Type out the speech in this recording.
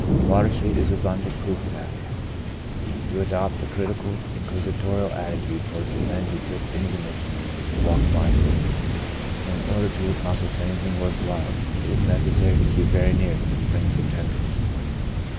"Water Street" is abundant proof of that. To adopt a critical, inquisi torial attitude towards the men who drift into the Mission is to walk blindfolded ; and in order to accomplish anything worth while, it is necessary to keep very near to the springs of tenderness.